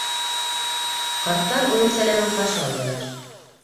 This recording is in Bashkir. Ҡарттар уның сәләмен ҡаршы алдылар.